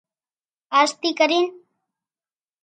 آز ٿي ڪرين